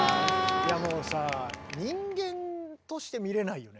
いやもうさ人間として見れないよね。